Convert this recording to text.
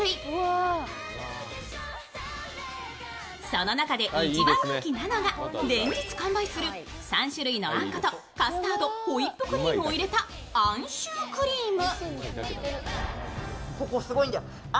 その中で一番人気なのが連日完売する３種類のあんことカスタード、ホイップクリームを入れたＡＮしゅーくりーむ。